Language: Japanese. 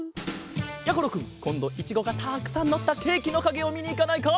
やころくんこんどいちごがたくさんのったケーキのかげをみにいかないか？